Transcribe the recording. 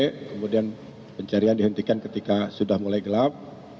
kemudian pencarian dihentikan ketika sudah mulai gelap